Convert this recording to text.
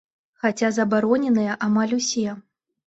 Хаця забароненыя амаль усе.